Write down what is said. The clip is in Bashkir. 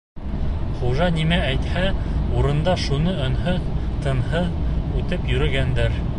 Хужа нимә әйтһә, урында шуны өнһөҙ-тынһыҙ үтәп йөрөгәндәр.